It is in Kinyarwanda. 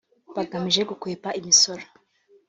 bagamije gukwepa imisoro